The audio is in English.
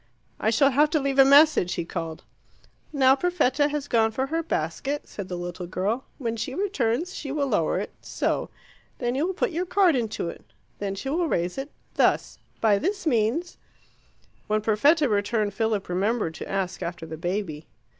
"I shall have to leave a message," he called. "Now Perfetta has gone for her basket," said the little girl. "When she returns she will lower it so. Then you will put your card into it. Then she will raise it thus. By this means " When Perfetta returned, Philip remembered to ask after the baby.